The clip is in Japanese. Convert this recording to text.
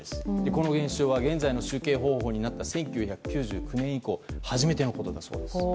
この現象は現在の集計方法になった１９９９年以降初めてのことだそうです。